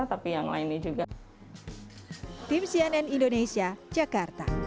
tapi yang lainnya juga